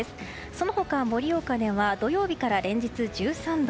その他、盛岡では土曜日から連日１３度。